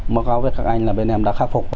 báo cáo với các anh là bên em đã khắc phục